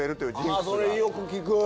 あぁそれよく聞く。